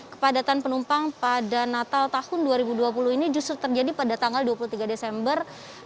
kepadatan penumpang pada natal tahun dua ribu dua puluh ini justru terjadi pada tanggal dua puluh tiga desember dua ribu dua puluh